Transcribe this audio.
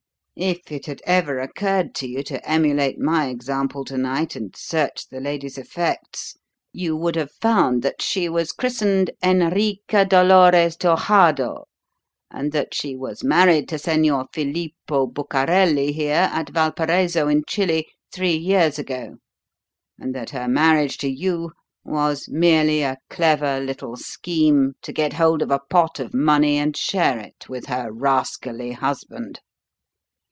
If it had ever occurred to you to emulate my example to night and search the lady's effects, you would have found that she was christened Enriqua Dolores Torjado, and that she was married to Señor Filippo Bucarelli here, at Valparaiso, in Chili, three years ago, and that her marriage to you was merely a clever little scheme to get hold of a pot of money and share it with her rascally husband."